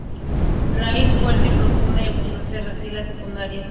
Raíz fuerte y profunda y abundantes raicillas secundarias.